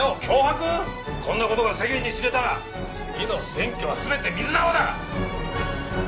こんな事が世間に知れたら次の選挙は全て水の泡だ！